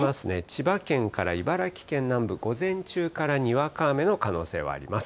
千葉県から茨城県南部、午前中からにわか雨の可能性があります。